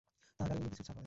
তার গালে অন্যকিছুর ছাপ হবে।